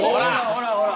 ほらほら。